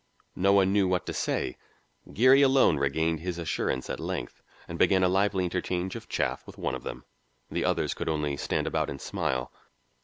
No one knew what to say. Geary alone regained his assurance at length, and began a lively interchange of chaff with one of them. The others could only stand about and smile.